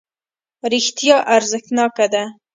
رښتیا ارزښتناکه ده.